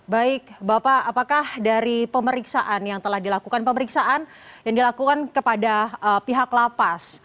baik bapak apakah dari pemeriksaan yang telah dilakukan pemeriksaan yang dilakukan kepada pihak lapas